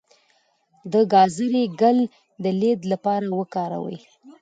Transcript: د ګازرې ګل د لید لپاره وکاروئ